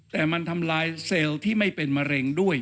แต่มันทำลายเซลล์ที่ไม่เป็นมะเร็งด้วย